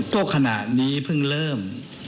ก็ขณะนี้เพิ่งเริ่ม